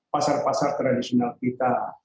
pasar pasar tradisional kita